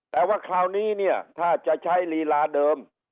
แต่ว่าคราวนี้เนี่ยถ้าจะใช้ลีลาเดิม